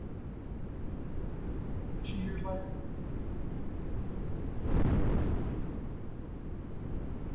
He made his professional debut two years later.